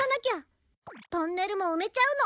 トンネルも埋めちゃうの。